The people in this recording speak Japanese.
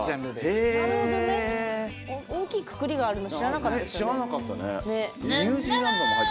大きいくくりがあるのは知らなかったです。